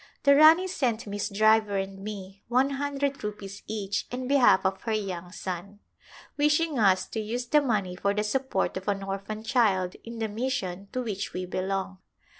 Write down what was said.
The Rani sent Miss Driver and me one hundred rupees each in behalf of her young son, wishing us to use the money for the support of an orphan child in the mission to which we belong.